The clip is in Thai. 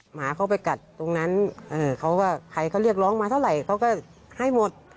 หมาเขาไปกัดตรงนั้นเขาก็ใครเขาเรียกร้องมาเท่าไหร่เขาก็ให้หมด